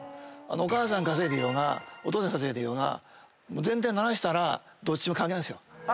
お母さん稼いでいようがお父さん稼いでいようが全体ならしたらどっちも関係ないですよ。